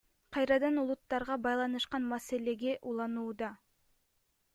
Кайрадан улуттарга байланышкан маселеге айланууда.